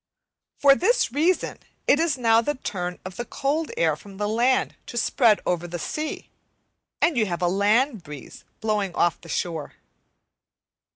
For this reason it is now the turn of the cold air from the land to spread over the sea, and you have a land breeze blowing off the shore.